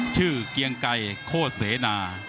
ชื่อเกียงไกโคตรเสนา